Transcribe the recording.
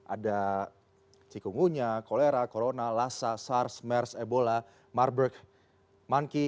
ada cikungunya cholera corona lassa sars mers ebola marberg monkey